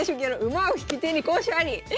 馬を引く手に好手あり！